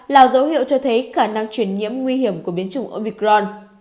là dấu hiệu cho thấy khả năng chuyển nhiễm nguy hiểm của biến chủng omicron